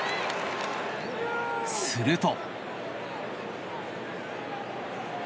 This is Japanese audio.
すると。